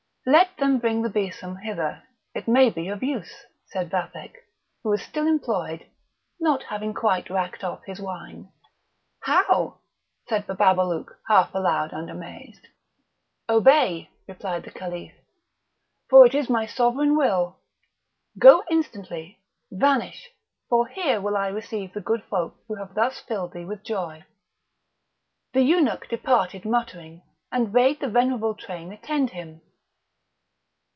"Let them bring the besom hither; it may be of use," said Vathek, who was still employed, not having quite racked off his wine. "How!" said Bababalouk, half aloud and amazed. "Obey," replied the Caliph, "for it is my sovereign will; go instantly, vanish; for here will I receive the good folk, who have thus filled thee with joy." The eunuch departed muttering, and bade the venerable train attend him.